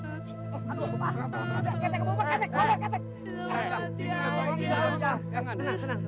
tapi tuhan pastinya taruh hidup begini lagi